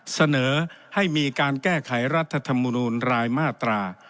เสนอให้มีการแก้ไขรัฐธรรมนูลรายมาตรา